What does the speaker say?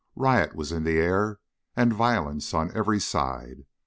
Riot was in the air, and violence on every side.